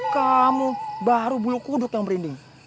kamu baru bulu kuduk yang berinding